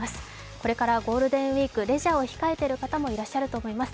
これからゴールデンウイーク、レジャーを控えている方も多くいらっしゃると思います。